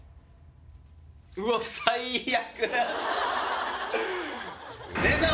うわっ最悪。